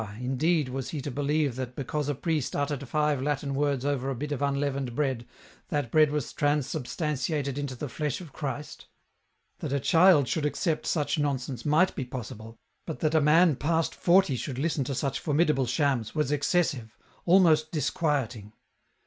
indeed, was he to believe that because a priest uttered five Latin words over a bit of unleavened bread, that bread was transubstantiated into the flesh of Christ ? That a child should accept such nonsense, might be possible, but that a man past forty should listen to such formidable shams, was excessive ; almost disquieting.